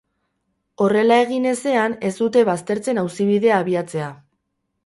Horrela egin ezean, ez dute baztertzen auzibidea abiatzea.